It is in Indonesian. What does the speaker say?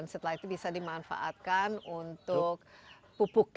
jadi ini bisa dimanfaatkan untuk pupuk